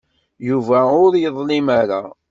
Yuba ur yeḍlim ara.